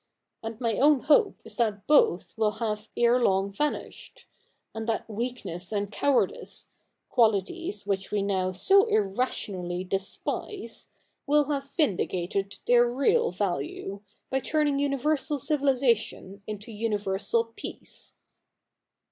And my own hope is that both will have CH. Ill] THE NEW REPUBLIC 39 ere long vanished ; and that weakness and cowardice, qualities which we now so irrationally despise, will have vindicated their real value, by turning universal civilisa tion into universal peace.'